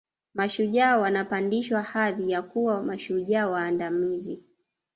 Mashujaa wanapandishwa hadhi ya kuwa mashujaa waandamizi